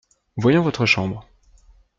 Voyons votre chambre.